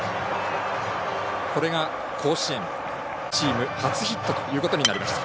これが甲子園チーム初ヒットということになりました。